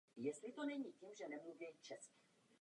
Tyto oblasti se ovšem překrývají.